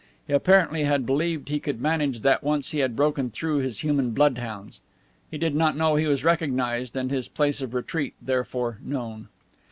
He apparently had believed he could manage that once he had broken through his human bloodhounds. He did not know he was recognized and his place of retreat therefore known.